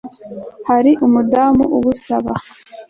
Hariho umudamu ugusaba